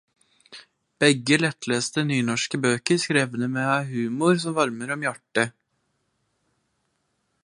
Begge lettleste nynorske bøker skrevne med ein humor som varmar om hjartet.